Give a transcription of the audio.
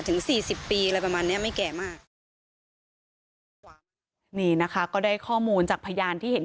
สี่สิบปีอะไรประมาณเนี้ยไม่แก่มากนี่นะคะก็ได้ข้อมูลจากพยานที่เห็น